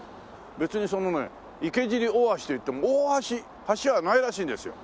別にそのね池尻大橋といっても大橋橋はないらしいんですよ。